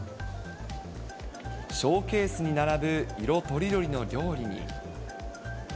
ショーケースに並ぶ色とりどりの料理に。